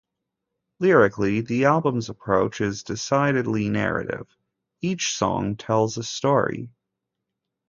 Lyrically, the album's approach is decidedly narrative; each song tells a story.